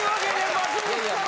松本さん。